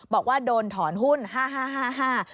บอกว่าโดนถอนหุ้นฮ่า